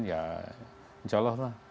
ya insya allah lah